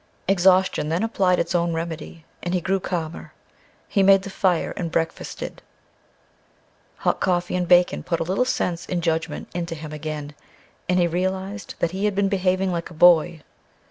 Exhaustion then applied its own remedy, and he grew calmer. He made the fire and breakfasted. Hot coffee and bacon put a little sense and judgment into him again, and he realized that he had been behaving like a boy.